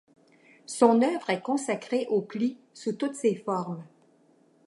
Son œuvre est consacrée aux plis sous toutes ses formes.